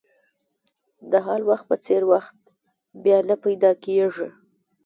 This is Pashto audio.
د حال وخت په څېر وخت بیا نه پیدا کېږي.